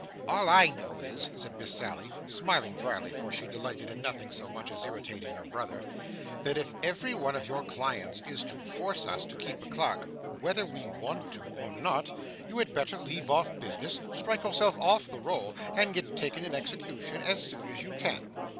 'All I know is,' said Miss Sally, smiling drily, for she delighted in nothing so much as irritating her brother, 'that if every one of your clients is to force us to keep a clerk, whether we want to or not, you had better leave off business, strike yourself off the roll, and get taken in execution, as soon as you can.